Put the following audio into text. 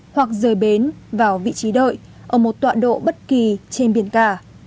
hoặc rời bến vào vị trí đợi ở một tọa độ bất kỳ trên biển cả